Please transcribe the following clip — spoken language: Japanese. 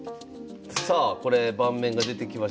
さあこれ盤面が出てきました。